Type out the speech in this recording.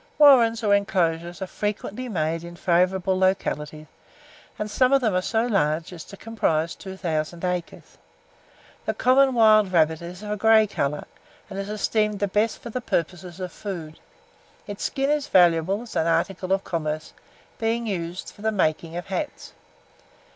Warrens, or inclosures, are frequently made in favourable localities, and some of them are so large as to comprise 2,000 acres. The common wild rabbit is of a grey colour, and is esteemed the best for the purposes of food. Its skin is valuable as an article of commerce, being used for the making of hats.